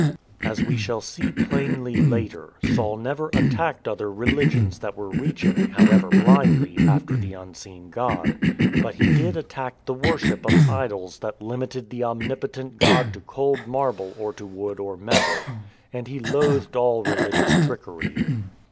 As we shall see plainly later, Saul never attacked other religions that were reaching, however blindly, after the unseen God. But he did attack the worship of idols that limited the omnipotent God to cold marble or to wood or metal; and he loathed all religious trickery.